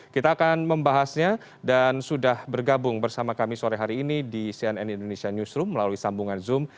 kita akan membahasnya dan sudah bergabung bersama kami sore hari ini di cnn indonesia newsroom melalui sambungan zoom